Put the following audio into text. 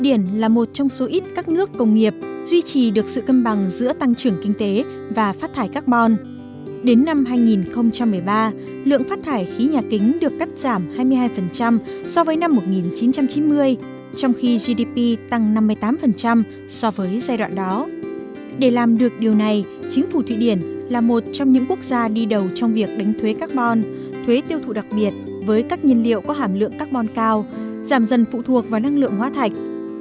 để làm được điều này chính phủ thụy điển là một trong những quốc gia đi đầu trong việc đánh thuế carbon thuế tiêu thụ đặc biệt với các nhiên liệu có hàm lượng carbon cao giảm dần phụ thuộc vào năng lượng hóa thạch